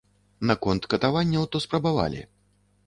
Наконт катаванняў, то спрабавалі.